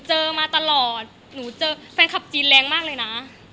มาตลอดหนูเจอแฟนคลับจีนแรงมากเลยนะ